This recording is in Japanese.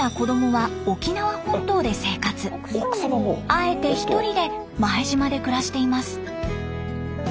あえて１人で前島で暮らしています。